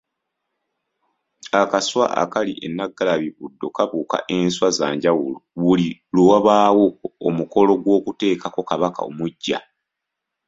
Akaswa akali e Nnaggalabi Buddo kabuuka enswa za njawulo buli lwe wabaawo omukolo gwokutekako kabaka omuggya.